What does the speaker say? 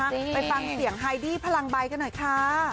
ไปฟังเสียงไฮดี้พลังใบกันหน่อยค่ะ